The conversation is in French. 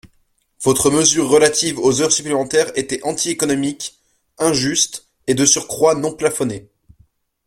Votre mesure relative aux heures supplémentaires était anti-économique, injuste et, de surcroît, non plafonnée.